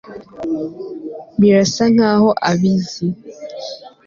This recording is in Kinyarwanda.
Birasa nkaho abizi